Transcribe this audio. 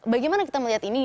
bagaimana kita melihat ini